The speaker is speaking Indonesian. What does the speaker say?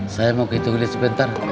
saya mau ke itu gilir sebentar